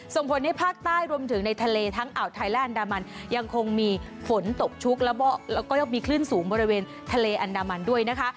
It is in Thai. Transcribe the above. ส่งผลให้ภาคใต้รวมถึงในทะเลทั้งอ่าวไทยและอันดามันยังคงมีฝนตกชุกแล้วก็ยังมีคลื่นสูงบริเวณทะเลอันดามันด้วยนะคะ